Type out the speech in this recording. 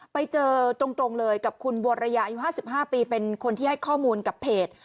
ไปเจอตรงเลยกับคุณบัวระยาอายุ๕๕ปีเป็นคนที่ให้ข้อมูลกับเพจ